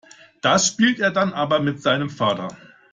Das spielt er dann aber mit seinem Vater.